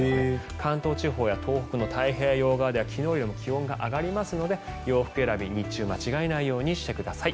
関東地方や東北の太平洋側では昨日よりも気温が上がりますので洋服選び、日中間違えないようにしてください。